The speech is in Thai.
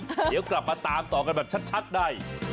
เดี๋ยวกลับมาตามต่อกันแบบชัดได้